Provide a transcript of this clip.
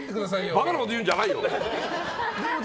バカなこと言うんじゃないよ！